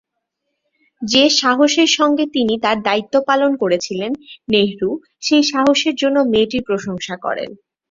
যে সাহসের সঙ্গে তিনি তার দায়িত্ব পালন করেছিলেন, নেহরু সেই সাহসের জন্য মেয়েটির প্রশংসা করেন।